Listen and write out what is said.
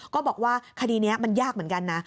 ก็บอกว่าคดีนี้มันยากเหมือนกันนะ